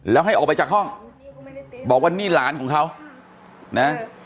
แล้วให้ออกไปจากห้องบอกว่านี่หลานของเขานะ